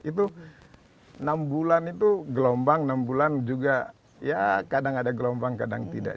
itu enam bulan itu gelombang enam bulan juga ya kadang ada gelombang kadang tidak